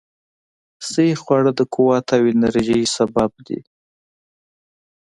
صحي خواړه د قوت او انرژۍ سبب دي.